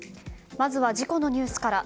まずは事故のニュースから。